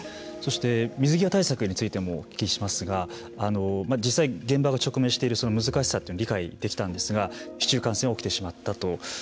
そして水際対策についてもお聞きしますが実際現場が直面している難しさは理解できたんですが市中感染が起きてしまったと。